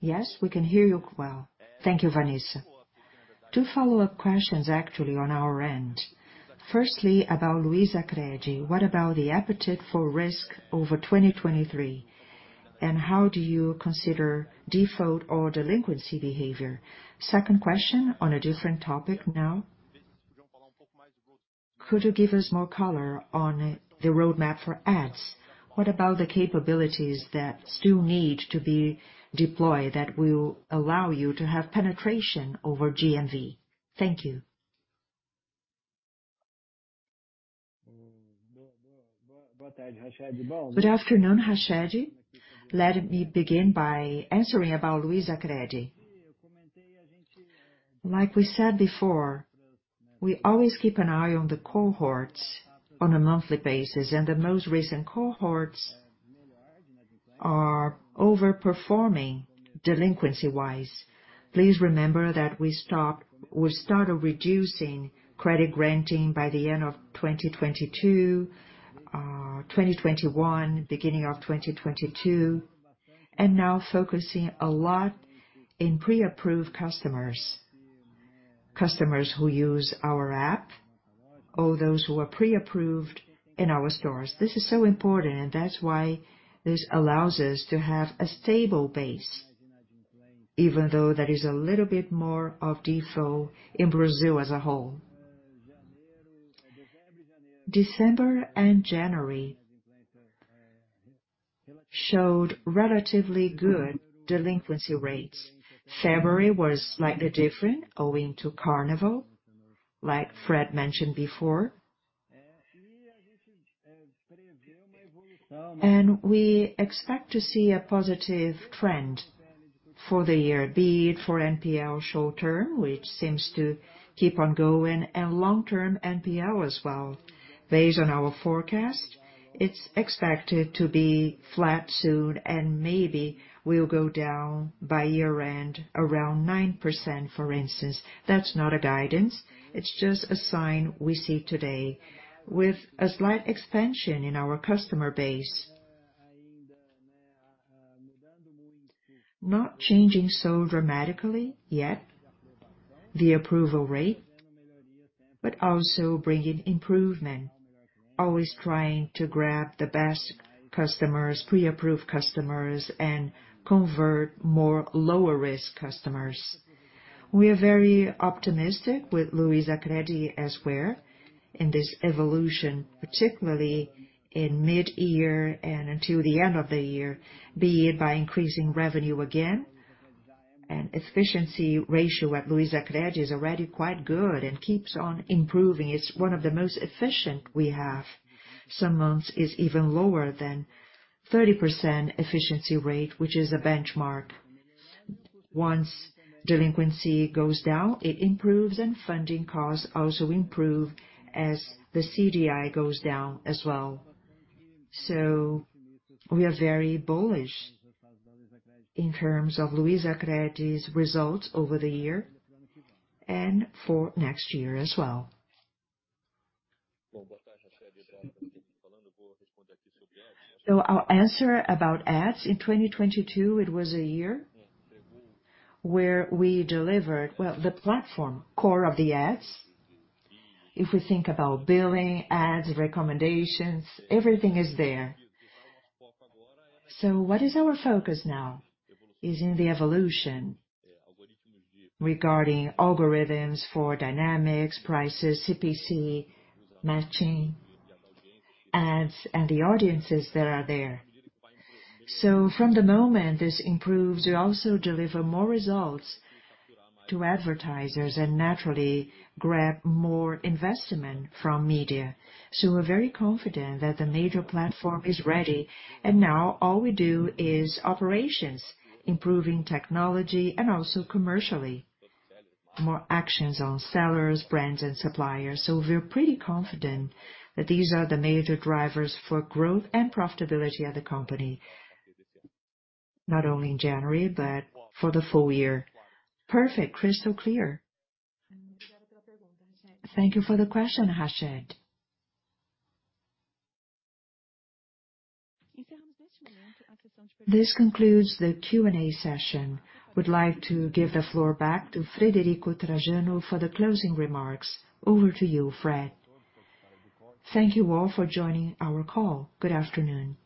Yes, we can hear you well. Thank you, Vanessa. 2 follow-up questions actually on our end. Firstly, about Luizacred. What about the appetite for risk over 2023, and how do you consider default or delinquency behavior? Second question on a different topic now. Could you give us more color on the roadmap for ads? What about the capabilities that still need to be deployed that will allow you to have penetration over GMV? Thank you. Good afternoon, Rached. Let me begin by answering about Luizacred. Like we said before, we always keep an eye on the cohorts on a monthly basis, and the most recent cohorts are over-performing delinquency-wise. Please remember that we started reducing credit granting by the end of 2021, beginning of 2022, now focusing a lot in pre-approved customers. Customers who use our app or those who are pre-approved in our stores. This is so important and that's why this allows us to have a stable base, even though there is a little bit more of default in Brazil as a whole. December and January showed relatively good delinquency rates. February was slightly different owing to Carnival, like Fred mentioned before. We expect to see a positive trend for the year, be it for NPL short-term, which seems to keep on going, and long-term NPL as well. Based on our forecast, it's expected to be flat soon and maybe will go down by year-end around 9%, for instance. That's not a guidance, it's just a sign we see today. With a slight expansion in our customer base. Not changing so dramatically yet the approval rate, but also bringing improvement. Always trying to grab the best customers, pre-approved customers, and convert more lower-risk customers. We are very optimistic with Luizacred as where in this evolution, particularly in mid-year and until the end of the year, be it by increasing revenue again and efficiency ratio at Luizacred is already quite good and keeps on improving. It's one of the most efficient we have. Some months is even lower than 30% efficiency rate, which is a benchmark. Once delinquency goes down, it improves, and funding costs also improve as the CDI goes down as well. We are very bullish in terms of Luizacred's results over the year and for next year as well. I'll answer about ads. In 2022, it was a year where we delivered, well, the platform, core of the ads. If we think about billing, ads, recommendations, everything is there. What is our focus now? Is in the evolution regarding algorithms for dynamics, prices, CPC, matching ads and the audiences that are there. From the moment this improves, we also deliver more results to advertisers and naturally grab more investment from media. We're very confident that the major platform is ready, and now all we do is operations, improving technology and also commercially. More actions on sellers, brands and suppliers. We're pretty confident that these are the major drivers for growth and profitability at the company, not only in January but for the full year. Perfect. Crystal clear. Thank you for the question, Rached. This concludes the Q&A session. We'd like to give the floor back to Frederico Trajano for the closing remarks. Over to you, Fred. Thank you all for joining our call. Good afternoon.